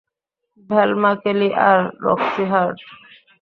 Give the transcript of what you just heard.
ভেলমা Kelly আর Roxie heart.